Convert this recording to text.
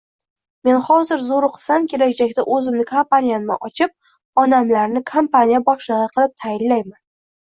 Men hozir zoʻr oʻqisam, kelajakda oʻzimni kompaniyamni ochib, onamlarni kompaniya boshligʻi qilib tayinlayman.